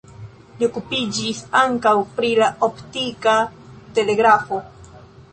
Li okupiĝis ankaŭ pri la optika telegrafo.